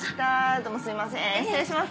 どうもすいません失礼します。